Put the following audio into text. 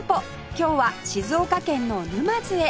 今日は静岡県の沼津へ